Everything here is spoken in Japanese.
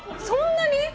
そんなに？